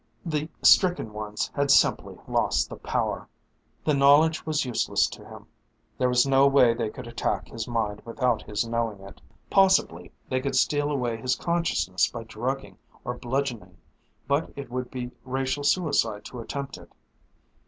The stricken ones had simply lost the power. The knowledge was useless to him. There was no way they could attack his mind without his knowing it. Possibly they could steal away his consciousness by drugging or bludgeoning, but it would be racial suicide to attempt it.